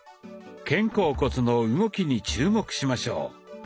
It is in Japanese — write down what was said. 肩甲骨の動きに注目しましょう。